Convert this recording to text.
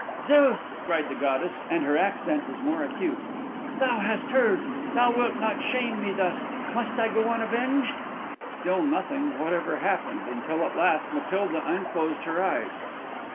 "Zeus!" cried the goddess, and her accent was more acute, "thou hast heard thou wilt not shame me thus! Must I go unavenged?" Still nothing whatever happened, until at last even Matilda unclosed her eyes.